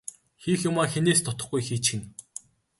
Хийх юмаа хэнээс ч дутахгүй хийчихнэ.